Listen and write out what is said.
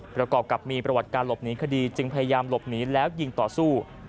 ประกอบกับมีประวัติการหลบหนีคดีจึงพยายามหลบหนีแล้วยิงต่อสู้